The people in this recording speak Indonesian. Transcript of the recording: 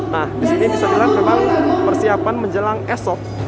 nah disini bisa dilihat memang persiapan menjelang esok